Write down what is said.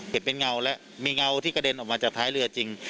เห็นเป็นเงาแล้วมีเงาที่กระเด็นออกมาจากท้ายเรือจริง